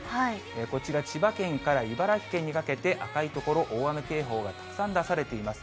こちら、千葉県から茨城県にかけて、赤い所、大雨警報がたくさん出されています。